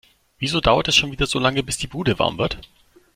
Wieso dauert es schon wieder so lange, bis die Bude warm wird?